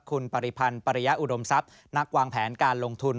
คุณปริพันธ์ปริยะอุดมทรัพย์นักวางแผนการลงทุน